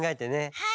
はい。